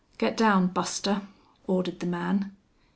"Get down, Buster," ordered the man.